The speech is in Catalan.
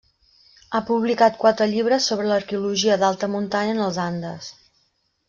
Ha publicat quatre llibres sobre l'arqueologia d'Alta Muntanya en els Andes.